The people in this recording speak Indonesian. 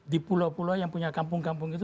di pulau pulau yang punya kampung kampung itu